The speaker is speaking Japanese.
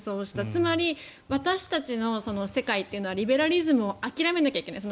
つまり、私たちの世界というのはリベラリズムを諦めないといけない。